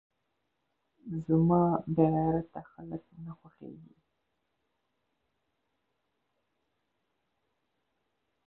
زما بې غيرته خلک نه خوښېږي .